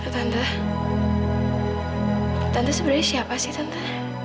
tante sebenarnya siapa sih tante